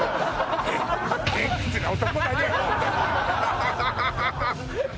ハハハハ！